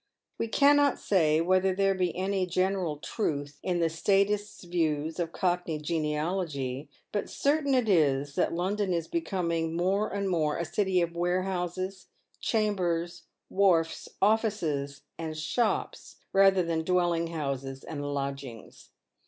We cannot say whether there be any general truth in the statist's views of Cockney genealogy, but certain it is that London is becoming more and more a city of warehouses, chambers, wharfs, offices, and shops, rather than dwelling houses and lodgings.